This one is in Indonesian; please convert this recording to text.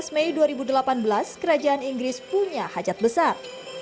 tujuh belas mei dua ribu delapan belas kerajaan inggris punya hajat besar